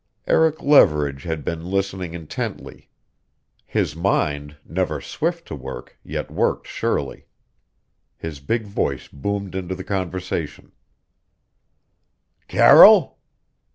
Eric Leverage had been listening intently. His mind, never swift to work, yet worked surely. His big voice boomed into the conversation: "Carroll?"